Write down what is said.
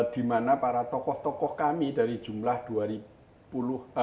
dimana para tokoh tokoh kami dari jumlah dua puluh